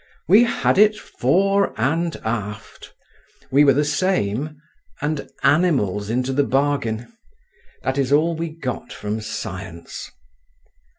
We had it fore and aft. We were the same, and animals into the bargain. That is all we got from Science.